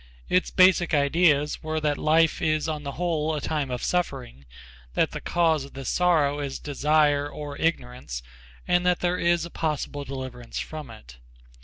Its basic ideas were that life is on the whole a time of suffering, that the cause of this sorrow is desire or ignorance, and that there is a possible deliverance from it.